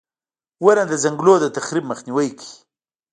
• ونه د ځنګلونو د تخریب مخنیوی کوي.